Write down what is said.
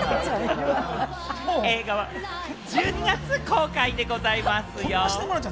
映画は１２月公開でございますよ。